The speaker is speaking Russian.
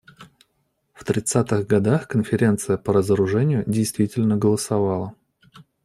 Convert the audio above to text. В тридцатых годах Конференция по разоружению, действительно, голосовала.